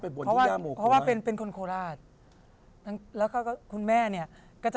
เพราะว่าเป็นคนโคราช